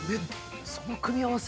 その組み合わせ